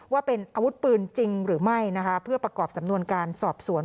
ว่าเป็นอาวุธปืนจริงหรือไม่นะคะเพื่อประกอบสำนวนการสอบสวน